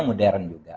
ini modern juga